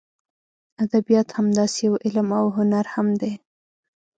ادبیات همداسې یو علم او هنر هم دی.